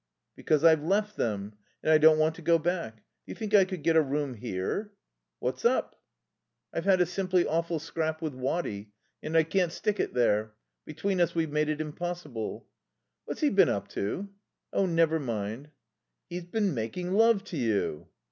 "Because I've left them. And I don't want to go back. Do you think I could get a room here?" "What's up?" "I've had a simply awful scrap with Waddy, and I can't stick it there. Between us we've made it impossible." "What's he been up to?" "Oh, never mind." "He's been making love to you."